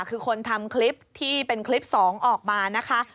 คือคนทำคลิปที่เป็นคลิป๒ออกมานะคะ